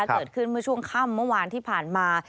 เกิดขึ้นเมื่อช่วงค่ำเมื่อวานที่ผ่านมา